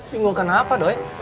bingung kenapa doi